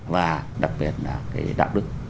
và đặc biệt là cái đạo đức